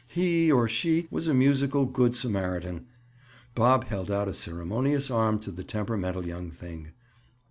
He, or she, was a musical good Samaritan. Bob held out a ceremonious arm to the temperamental young thing.